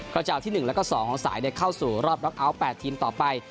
กระเจาะที่๑และก็๒ของสายได้เข้าสู่รอบล็อกอัล๘ทีมต่อไป